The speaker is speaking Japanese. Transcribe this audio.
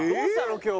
今日。